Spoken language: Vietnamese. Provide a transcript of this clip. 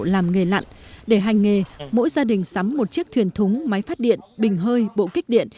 làm nghề lặn để hành nghề mỗi gia đình sắm một chiếc thuyền thúng máy phát điện bình hơi bộ kích điện